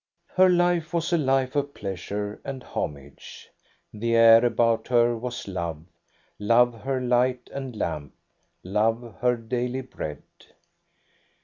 Her life was a life of pleasures and homage. The air about her was love — love her light and lamp, love her daily bread.